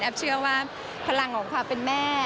เชื่อว่าพลังของความเป็นแม่